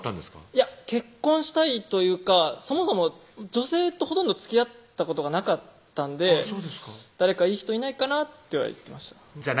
いや結婚したいというかそもそも女性とほとんどつきあったことがなかったんで「誰かいい人いないかな」とは言ってましたじゃあ